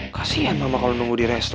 kasian mama kalau nunggu di resto